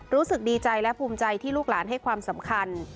รู้สึกดีใจและภูมิใจที่ลูกหลานให้ความสำคัญ